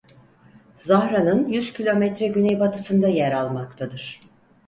Zahran'ın yüz kilometre güneybatısında yer almaktadır.